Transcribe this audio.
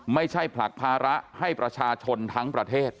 ผลักภาระให้ประชาชนทั้งประเทศ